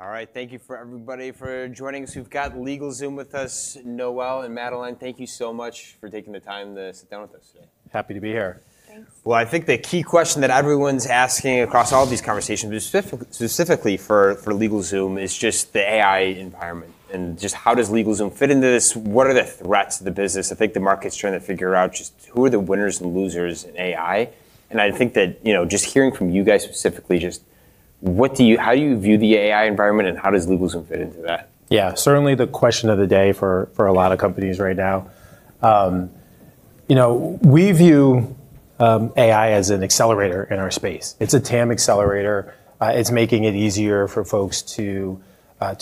All right. Thank you for everybody for joining us. We've got LegalZoom with us. Noel and Madeleine, thank you so much for taking the time to sit down with us today. Happy to be here. Thanks. Well, I think the key question that everyone's asking across all of these conversations, specifically for LegalZoom, is just the AI environment and just how does LegalZoom fit into this? What are the threats to the business? I think the market's trying to figure out just who are the winners and losers in AI. I think that, you know, just hearing from you guys specifically, just how do you view the AI environment, and how does LegalZoom fit into that? Yeah. Certainly, the question of the day for a lot of companies right now. You know, we view AI as an accelerator in our space. It's a TAM accelerator. It's making it easier for folks to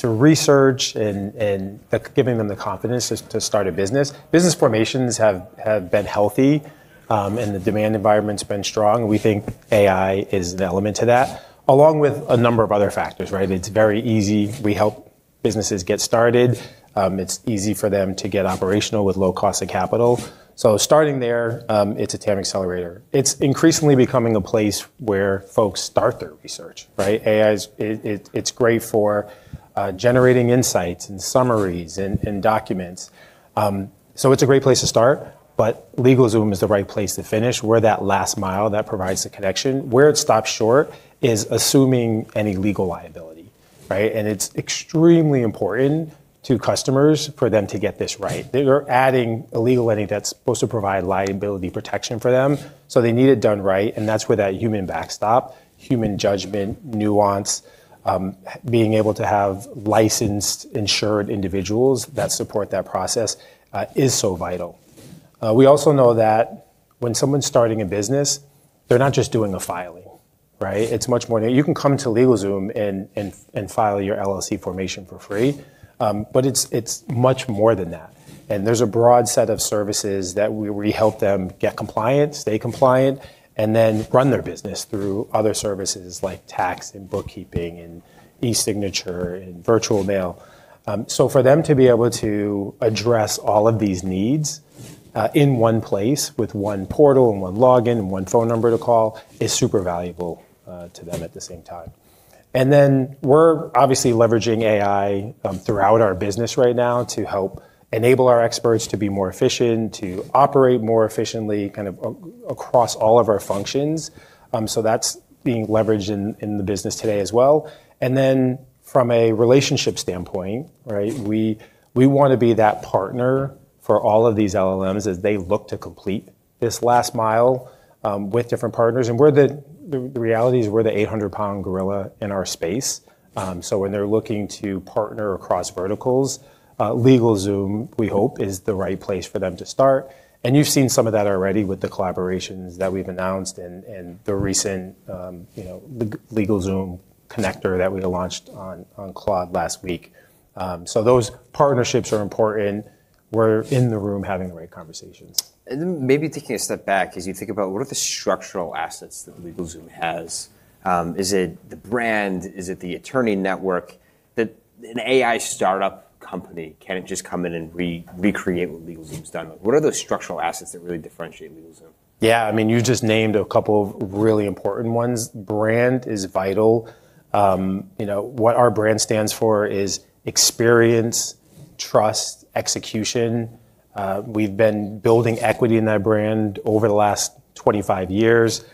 research and giving them the confidence to start a business. Business formations have been healthy, and the demand environment's been strong. We think AI is an element to that, along with a number of other factors, right? It's very easy. We help businesses get started. It's easy for them to get operational with low cost of capital. Starting there, it's a TAM accelerator. It's increasingly becoming a place where folks start their research, right? AI is great for generating insights and summaries and documents. It's a great place to start, but LegalZoom is the right place to finish. We're that last mile that provides the connection. Where it stops short is assuming any legal liability, right? It's extremely important to customers for them to get this right. They're adding a legal entity that's supposed to provide liability protection for them, so they need it done right, and that's where that human backstop, human judgment, nuance, being able to have licensed, insured individuals that support that process, is so vital. We also know that when someone's starting a business, they're not just doing a filing, right? It's much more than. You can come to LegalZoom and file your LLC formation for free. It's much more than that. There's a broad set of services that we help them get compliant, stay compliant, and then run their business through other services like tax and bookkeeping and e-signature and virtual mail. For them to be able to address all of these needs in one place with one portal and one login and one phone number to call is super valuable to them at the same time. We're obviously leveraging AI throughout our business right now to help enable our experts to be more efficient, to operate more efficiently kind of across all of our functions. That's being leveraged in the business today as well. From a relationship standpoint, right, we wanna be that partner for all of these LLMs as they look to complete this last mile with different partners. The reality is we're the 800 pound gorilla in our space. When they're looking to partner across verticals, LegalZoom, we hope, is the right place for them to start. You've seen some of that already with the collaborations that we've announced and the recent, you know, LegalZoom connector that we launched on Claude last week. Those partnerships are important. We're in the room having the right conversations. Maybe taking a step back as you think about what are the structural assets that LegalZoom has, is it the brand? Is it the attorney network? That an AI startup company can't just come in and recreate what LegalZoom's done? What are those structural assets that really differentiate LegalZoom? Yeah, I mean, you just named a couple of really important ones. Brand is vital. You know, what our brand stands for is experience, trust, execution. We've been building equity in that brand over the last 25-years.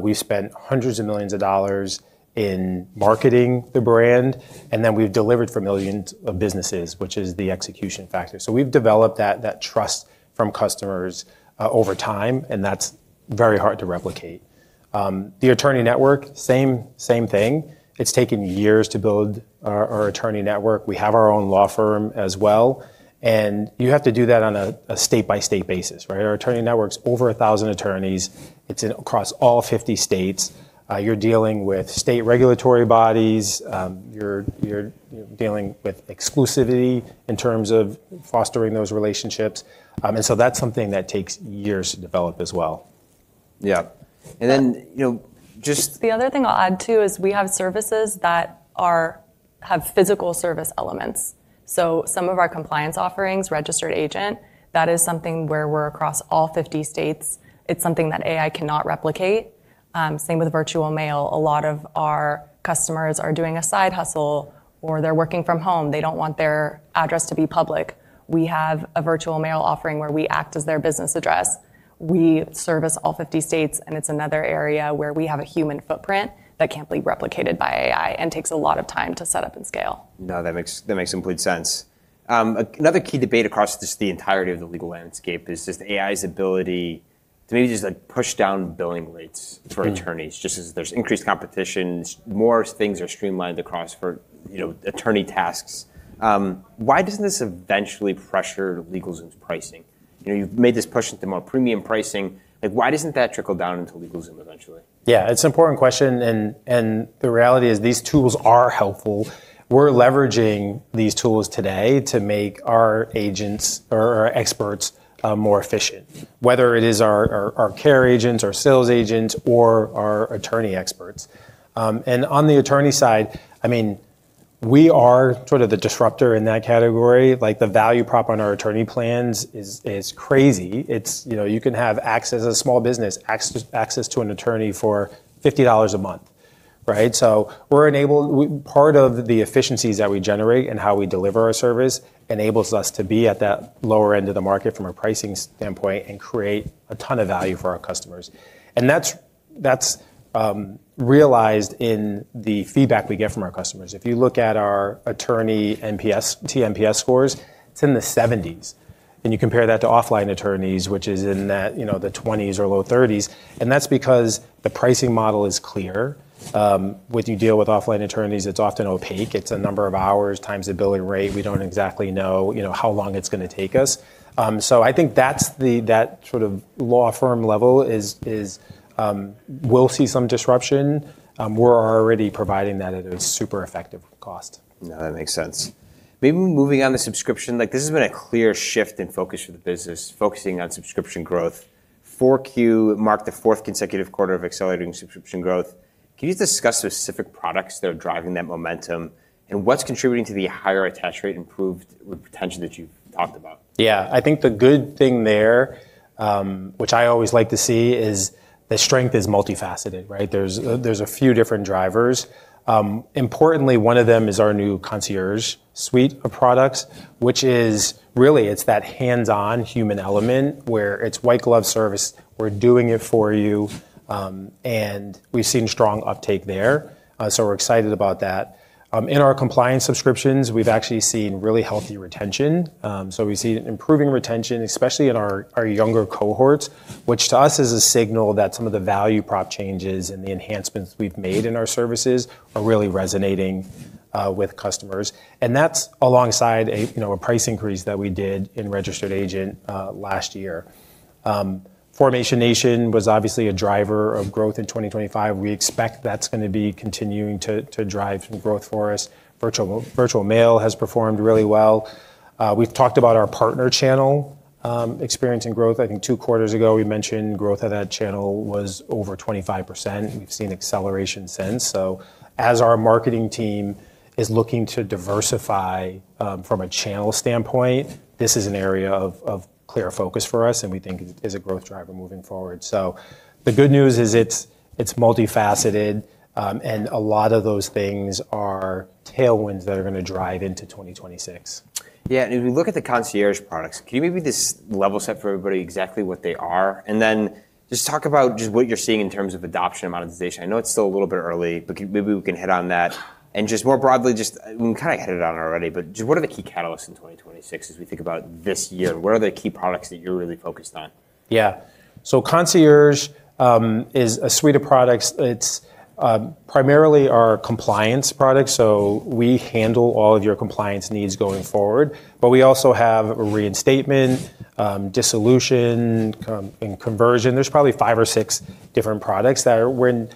We've spent $100 of millions in marketing the brand, and then we've delivered for millions of businesses, which is the execution factor. We've developed that trust from customers over time, and that's very hard to replicate. The attorney network, same thing. It's taken years to build our attorney network. We have our own law firm as well, and you have to do that on a state-by-state basis, right? Our attorney network's over 1,000 attorneys. It's across all 50 states. You're dealing with state regulatory bodies. You're dealing with exclusivity in terms of fostering those relationships. That's something that takes years to develop as well. Yeah. you know, just-. The other thing I'll add too is we have services that are have physical service elements. Some of our compliance offerings, registered agent, that is something where we're across all 50-states. It's something that AI cannot replicate. Same with virtual mail. A lot of our customers are doing a side hustle or they're working from home. They don't want their address to be public. We have a virtual mail offering where we act as their business address. We service all 50-states. It's another area where we have a human footprint that can't be replicated by AI and takes a lot of time to set up and scale. No, that makes complete sense. Another key debate across just the entirety of the legal landscape is just AI's ability to maybe just, like, push down billing rates for attorneys. Just as there's increased competition, more things are streamlined across for, you know, attorney tasks. Why doesn't this eventually pressure LegalZoom's pricing? You know, you've made this push into more premium pricing. Like, why doesn't that trickle down into LegalZoom eventually? Yeah, it's an important question. The reality is these tools are helpful. We're leveraging these tools today to make our agents or our experts more efficient, whether it is our care agents, our sales agents, or our attorney experts. On the attorney side, I mean, we are sort of the disruptor in that category. Like, the value prop on our Attorney Plan is crazy. It's, you know, you can have access as a small business, access to an attorney for $50 a month. Right? Part of the efficiencies that we generate and how we deliver our service enables us to be at that lower end of the market from a pricing standpoint and create a ton of value for our customers. That's realized in the feedback we get from our customers. If you look at our attorney TNPS scores, it's in the 70s, and you compare that to offline attorneys, which is in that, you know, the 20s or low 30s, and that's because the pricing model is clear. When you deal with offline attorneys, it's often opaque. It's a number of hours times a billing rate. We don't exactly know, you know, how long it's gonna take us. I think that sort of law firm level, we'll see some disruption. We're already providing that at a super effective cost. No, that makes sense. Maybe moving on to subscription, like this has been a clear shift in focus for the business, focusing on subscription growth. Q4 marked the fourth consecutive quarter of accelerating subscription growth. Can you just discuss specific products that are driving that momentum and what's contributing to the higher attach rate improved retention that you've talked about? Yeah. I think the good thing there, which I always like to see is the strength is multifaceted, right? There's, there's a few different drivers. Importantly, one of them is our new Concierge suite of products, which is really, it's that hands-on human element where it's white glove service, we're doing it for you, and we've seen strong uptake there. We're excited about that. In our compliance subscriptions, we've actually seen really healthy retention. We've seen improving retention, especially in our younger cohorts, which to us is a signal that some of the value prop changes and the enhancements we've made in our services are really resonating with customers. That's alongside a, you know, a price increase that we did in registered agent last year. Formation Nation was obviously a driver of growth in 2025. We expect that's gonna be continuing to drive growth for us. Virtual mail has performed really well. We've talked about our partner channel experiencing growth. I think two quarters ago we mentioned growth of that channel was over 25%. We've seen acceleration since. As our marketing team is looking to diversify from a channel standpoint, this is an area of clear focus for us, and we think is a growth driver moving forward. The good news is it's multifaceted, and a lot of those things are tailwinds that are gonna drive into 2026. Yeah. If we look at the concierge products, can you maybe just level set for everybody exactly what they are? Then just talk about just what you're seeing in terms of adoption and monetization. I know it's still a little bit early, maybe we can hit on that. Just more broadly, we kinda hit it on already, just what are the key catalysts in 2026 as we think about this year? What are the key products that you're really focused on? Yeah. Concierge, is a suite of products. It's primarily our compliance products, so we handle all of your compliance needs going forward. We also have reinstatement, dissolution, and conversion. There's probably five or six different products that we're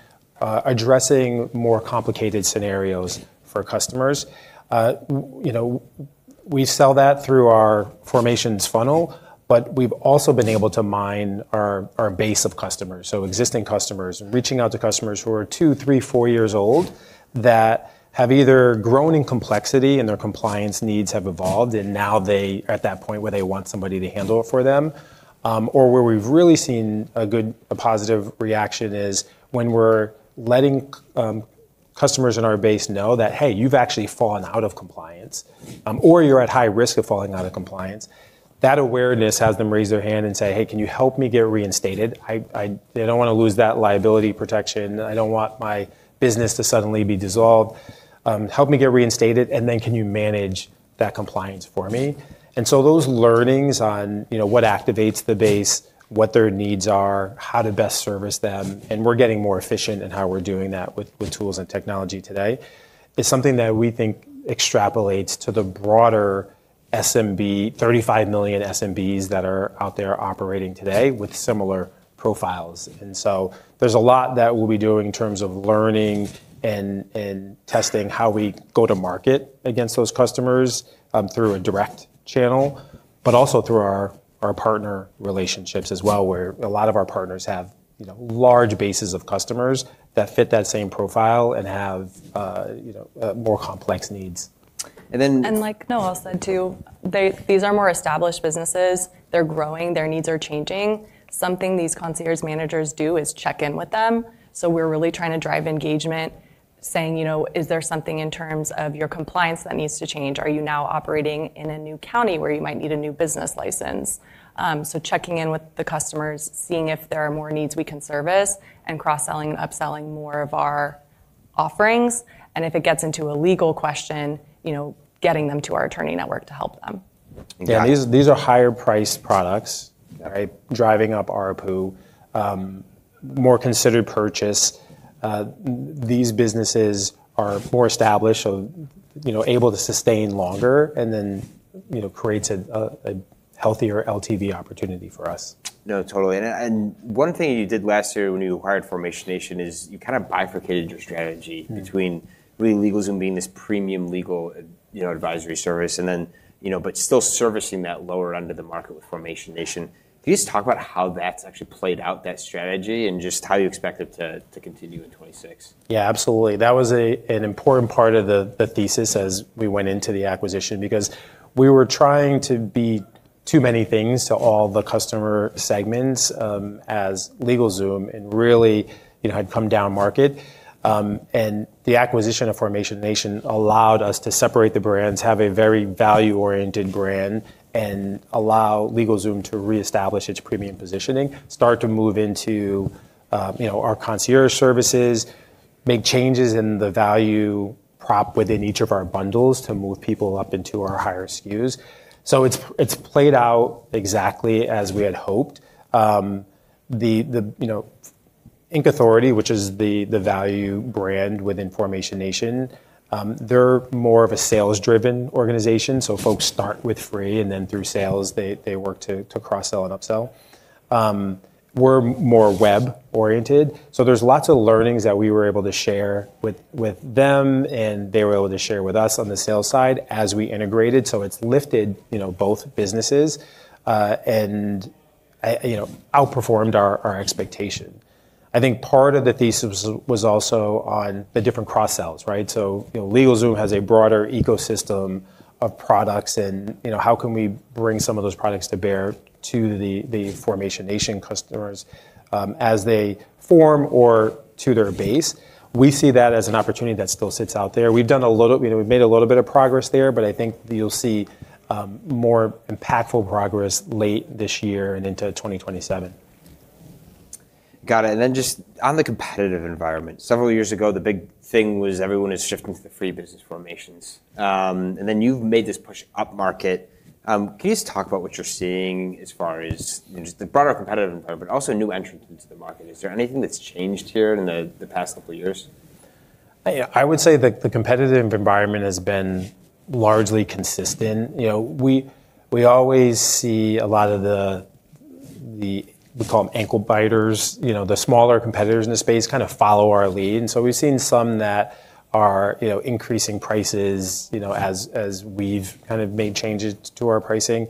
addressing more complicated scenarios for customers. You know, we sell that through our formations funnel, but we've also been able to mine our base of customers. Existing customers, reaching out to customers who are two, three, four years old that have either grown in complexity and their compliance needs have evolved, and now they are at that point where they want somebody to handle it for them. Or where we've really seen a positive reaction is when we're letting customers in our base know that, "Hey, you've actually fallen out of compliance, or you're at high risk of falling out of compliance." That awareness has them raise their hand and say, "Hey, can you help me get reinstated? They don't wanna lose that liability protection. I don't want my business to suddenly be dissolved. Help me get reinstated, and then can you manage that compliance for me?" Those learnings on, you know, what activates the base, what their needs are, how to best service them, and we're getting more efficient in how we're doing that with tools and technology today, is something that we think extrapolates to the broader SMB, 35 million SMBs that are out there operating today with similar profiles. There's a lot that we'll be doing in terms of learning and testing how we go to market against those customers, through a direct channel, but also through our partner relationships as well, where a lot of our partners have, you know, large bases of customers that fit that same profile and have, you know, more complex needs. And then-. Like Noel said too, these are more established businesses. They're growing, their needs are changing. Something these concierge managers do is check in with them. We're really trying to drive engagement saying, you know, "Is there something in terms of your compliance that needs to change? Are you now operating in a new county where you might need a new business license?" checking in with the customers, seeing if there are more needs we can service, and cross-selling and upselling more of our offerings. If it gets into a legal question, you know, getting them to our attorney network to help them. Got it. Yeah. These are higher priced products, right? Driving up ARPU, more considered purchase. These businesses are more established, so, you know, able to sustain longer and then, you know, creates a healthier LTV opportunity for us. No, totally. One thing you did last year when you acquired Formation Nation is you kind of bifurcated your between really LegalZoom being this premium legal you know, advisory service and then, you know, but still servicing that lower end of the market with Formation Nation. Can you just talk about how that's actually played out, that strategy, and just how you expect it to continue in 2026? Yeah, absolutely. That was an important part of the thesis as we went into the acquisition because we were trying to be too many things to all the customer segments, as LegalZoom and really, you know, had come down market. The acquisition of Formation Nation allowed us to separate the brands, have a very value-oriented brand, and allow LegalZoom to reestablish its premium positioning, start to move into, you know, our concierge services, make changes in the value prop within each of our bundles to move people up into our higher SKUs. It's played out exactly as we had hoped. The, you know, Inc Authority, which is the value brand within Formation Nation, they're more of a sales-driven organization. Folks start with free, then through sales, they work to cross-sell and upsell. We're more web-oriented, there's lots of learnings that we were able to share with them, and they were able to share with us on the sales side as we integrated. It's lifted, you know, both businesses, and, you know, outperformed our expectation. I think part of the thesis was also on the different cross-sells, right? You know, LegalZoom has a broader ecosystem of products and, you know, how can we bring some of those products to bear to the Formation Nation customers, as they form or to their base. We see that as an opportunity that still sits out there. You know, we've made a little bit of progress there, but I think you'll see more impactful progress late this year and into 2027. Got it. Just on the competitive environment, several years ago, the big thing was everyone is shifting to the free business formations. You've made this push upmarket. Can you just talk about what you're seeing as far as just the broader competitive environment, but also new entrants into the market? Is there anything that's changed here in the past couple years? I would say the competitive environment has been largely consistent. You know, we always see a lot of the we call them ankle biters. You know, the smaller competitors in the space kinda follow our lead. We've seen some that are, you know, increasing prices, you know, as we've kind of made changes to our pricing.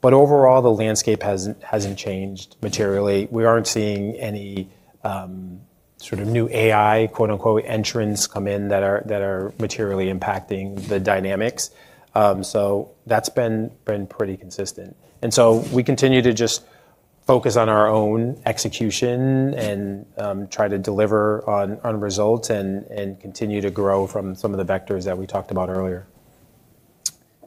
But overall, the landscape hasn't changed materially. We aren't seeing any sort of new AI, quote-unquote, entrants come in that are materially impacting the dynamics. That's been pretty consistent. We continue to just focus on our own execution and try to deliver on results and continue to grow from some of the vectors that we talked about earlier.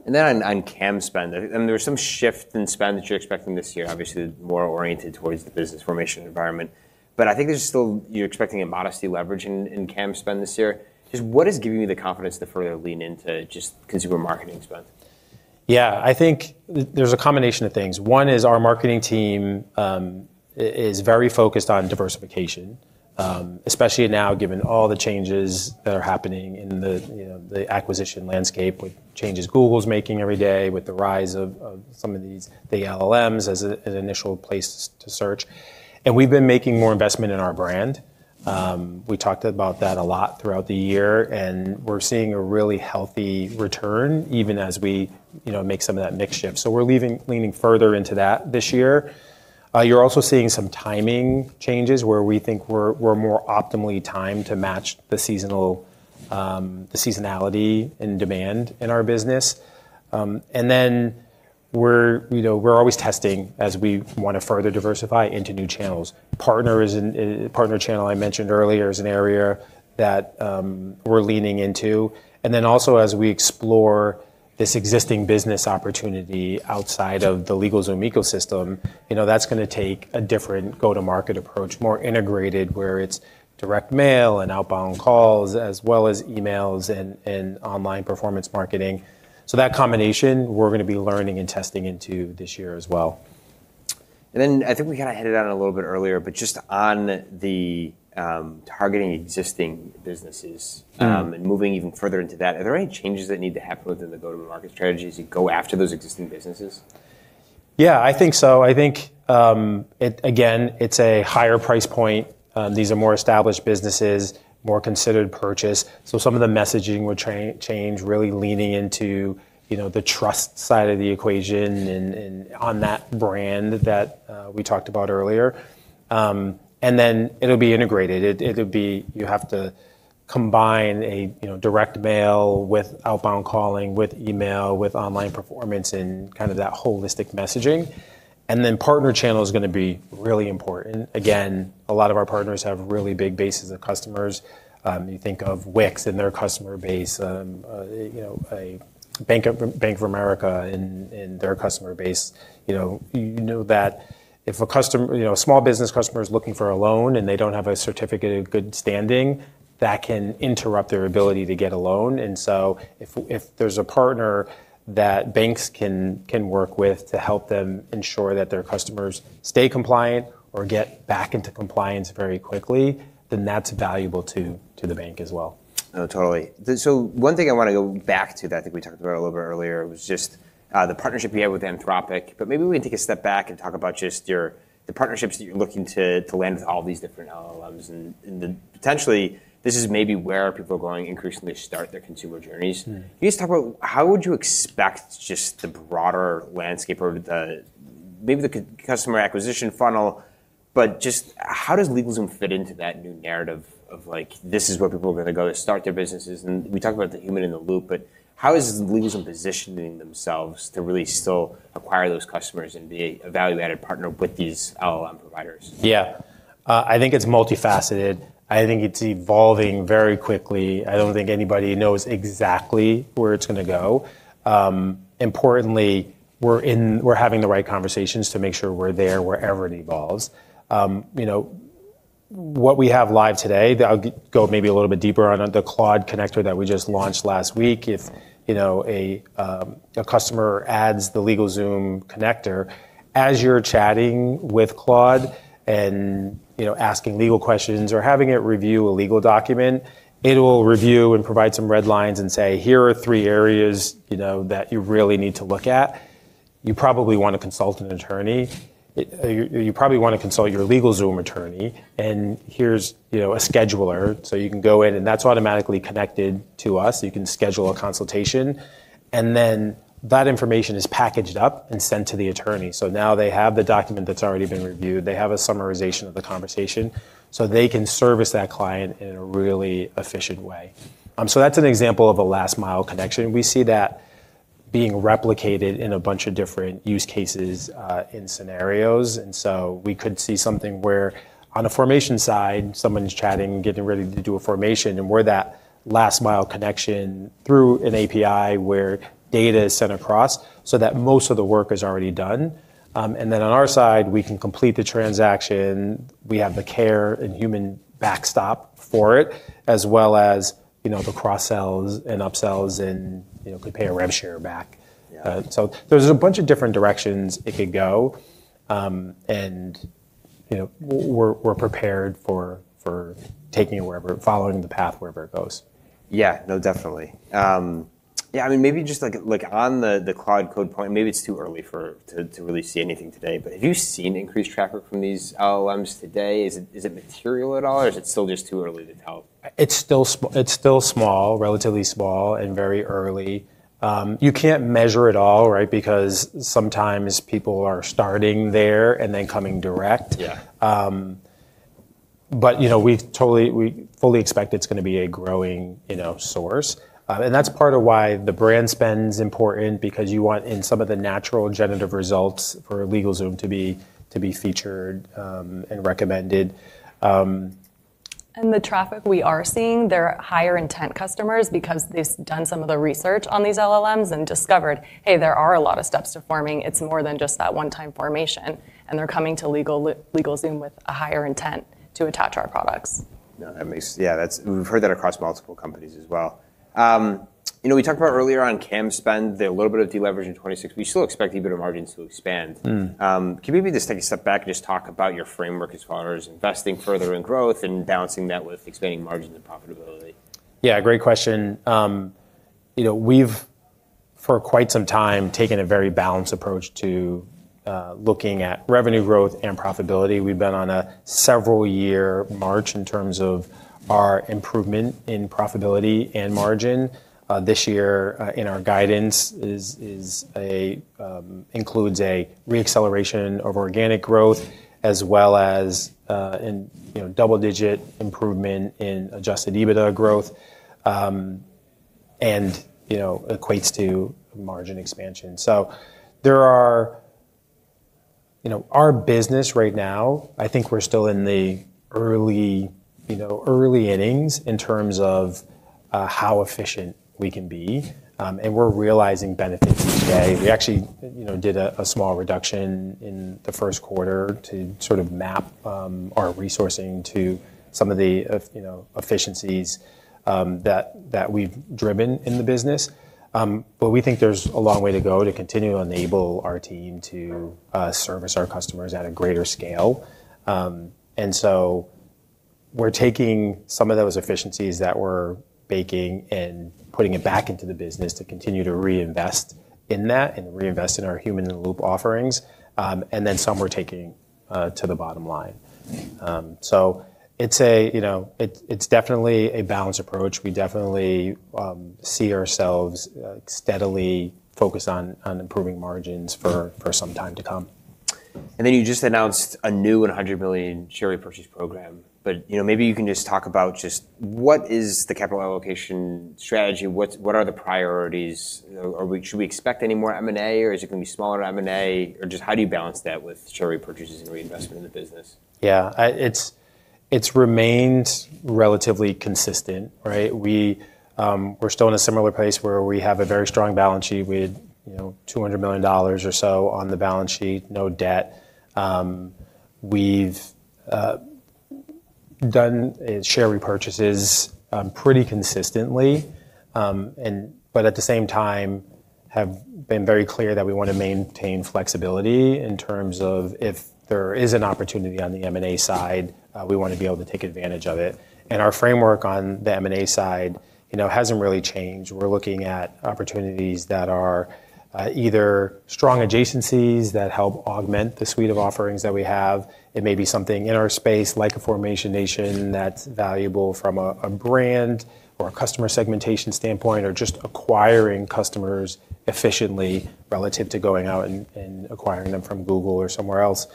On CAM spend. I mean, there was some shift in spend that you're expecting this year, obviously more oriented towards the business formation environment. I think there's still you're expecting a modesty leverage in CAM spend this year. Just what is giving you the confidence to further lean into just consumer marketing spend? Yeah. I think there's a combination of things. One is our marketing team is very focused on diversification, especially now given all the changes that are happening in the, you know, the acquisition landscape with changes Google's making every day, with the rise of some of these, the LLMs as an initial place to search. We've been making more investment in our brand. We talked about that a lot throughout the year, and we're seeing a really healthy return even as we, you know, make some of that mix shift. We're leaning further into that this year. You're also seeing some timing changes where we think we're more optimally timed to match the seasonal, the seasonality and demand in our business. Then we're, you know, we're always testing as we wanna further diversify into new channels. Partner is an partner channel I mentioned earlier is an area that we're leaning into. Also as we explore this existing business opportunity outside of the LegalZoom ecosystem, you know, that's gonna take a different go-to-market approach, more integrated, where it's direct mail and outbound calls as well as emails and online performance marketing. That combination, we're gonna be learning and testing into this year as well. I think we kinda hit it on a little bit earlier, but just on the targeting existing businesses. Mm-hmm. Moving even further into that, are there any changes that need to happen within the go-to-market strategy as you go after those existing businesses? Yeah, I think so. I think, again, it's a higher price point. These are more established businesses, more considered purchase. Some of the messaging would change, really leaning into, you know, the trust side of the equation and on that brand that we talked about earlier. Then it'll be integrated. It'll be you have to combine a, you know, direct mail with outbound calling, with email, with online performance and kind of that holistic messaging. Then partner channel is gonna be really important. Again, a lot of our partners have really big bases of customers. You think of Wix and their customer base, you know, Bank of America and their customer base. You know, you know that if a customer, you know, a small business customer is looking for a loan and they don't have a certificate of good standing, that can interrupt their ability to get a loan. If there's a partner that banks can work with to help them ensure that their customers stay compliant or get back into compliance very quickly, then that's valuable to the bank as well. Totally. One thing I wanna go back to that I think we talked about a little bit earlier was just the partnership you have with Anthropic. Maybe we can take a step back and talk about just the partnerships that you're looking to land with all these different LLMs and then potentially this is maybe where people are going increasingly start their consumer journeys. Mm-hmm. Can you just talk about how would you expect just the broader landscape or maybe the customer acquisition funnel, but just how does LegalZoom fit into that new narrative of, like, this is where people are gonna go to start their businesses? We talked about the human in the loop, but how is LegalZoom positioning themselves to really still acquire those customers and be a value-added partner with these LLM providers? Yeah. I think it's multifaceted. I think it's evolving very quickly. I don't think anybody knows exactly where it's gonna go. Importantly, we're having the right conversations to make sure we're there wherever it evolves. You know, what we have live today, that I'll go maybe a little bit deeper on the Claude connector that we just launched last week. You know, a customer adds the LegalZoom connector, as you're chatting with Claude and, you know, asking legal questions or having it review a legal document, it'll review and provide some red lines and say, "Here are three areas, you know, that you really need to look at. You probably want to consult an attorney. You probably want to consult your LegalZoom attorney. Here's, you know, a scheduler." You can go in, and that's automatically connected to us, so you can schedule a consultation. Then that information is packaged up and sent to the attorney. Now they have the document that's already been reviewed. They have a summarization of the conversation, so they can service that client in a really efficient way. That's an example of a last mile connection. We see that being replicated in a bunch of different use cases, in scenarios. We could see something where on a formation side, someone's chatting, getting ready to do a formation, and we're that last mile connection through an API where data is sent across so that most of the work is already done. Then on our side, we can complete the transaction. We have the care and human backstop for it, as well as, you know, the cross-sells and up-sells and, you know, could pay a rev share back. Yeah. There's a bunch of different directions it could go. You know, we're prepared for taking it wherever, following the path wherever it goes. Yeah. No, definitely. Yeah, I mean, maybe just like, on the Claude code point, maybe it's too early to really see anything today, but have you seen increased traffic from these LLMs today? Is it material at all or is it still just too early to tell? It's still small, relatively small and very early. You can't measure it all, right? Because sometimes people are starting there and then coming direct. Yeah. You know, we totally, we fully expect it's gonna be a growing, you know, source. That's part of why the brand spend's important because you want in some of the natural generative results for LegalZoom to be featured, and recommended. The traffic we are seeing, they're higher intent customers because they've done some of the research on these LLMs and discovered, hey, there are a lot of steps to forming. It's more than just that one-time formation. They're coming to LegalZoom with a higher intent to attach our products. No, that makes. Yeah, that's. We've heard that across multiple companies as well. You know, we talked about earlier on CAM spend, the little bit of deleverage in 2026. We still expect EBITDA margins to expand. Mm. Can we maybe just take a step back and just talk about your framework as far as investing further in growth and balancing that with expanding margins and profitability? Yeah, great question. You know, we've, for quite some time, taken a very balanced approach to looking at revenue growth and profitability. We've been on a several year march in terms of our improvement in profitability and margin. This year, in our guidance is a re-acceleration of organic growth as well as, you know, double digit improvement in adjusted EBITDA growth, and, you know, equates to margin expansion. You know, our business right now, I think we're still in the early, you know, early innings in terms of how efficient we can be. We're realizing benefits today. We actually, you know, did a small reduction in the first quarter to sort of map our resourcing to some of the, you know, efficiencies that we've driven in the business. We think there's a long way to go to continue to enable our team to service our customers at a greater scale. We're taking some of those efficiencies that we're baking and putting it back into the business to continue to reinvest in that and reinvest in our human in the loop offerings. Then some we're taking to the bottom line. It's a, you know, it's definitely a balanced approach. We definitely see ourselves steadily focused on improving margins for some time to come. You just announced a new and $100 million share repurchase program. You know, maybe you can just talk about just what is the capital allocation strategy? What are the priorities? You know, should we expect any more M&A, or is it gonna be smaller M&A? Just how do you balance that with share repurchases and reinvestment in the business? Yeah. It's remained relatively consistent, right? We're still in a similar place where we have a very strong balance sheet. We had, you know, $200 million or so on the balance sheet, no debt. We've done share repurchases pretty consistently. At the same time have been very clear that we wanna maintain flexibility in terms of if there is an opportunity on the M&A side, we wanna be able to take advantage of it. Our framework on the M&A side, you know, hasn't really changed. We're looking at opportunities that are either strong adjacencies that help augment the suite of offerings that we have. It may be something in our space like a Formation Nation that's valuable from a brand or a customer segmentation standpoint, or just acquiring customers efficiently relative to going out and acquiring them from Google or somewhere else.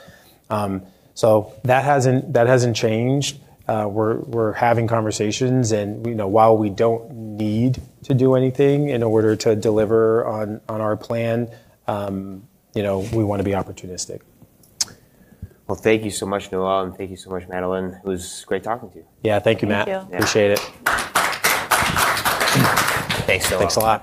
That hasn't changed. We're having conversations and, you know, while we don't need to do anything in order to deliver on our plan, you know, we wanna be opportunistic. Well, thank you so much, Noel, and thank you so much, Madeleine. It was great talking to you. Yeah. Thank you, Matt. Thank you. Appreciate it. Thanks a lot. Thanks a lot.